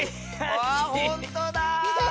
わあほんとだ！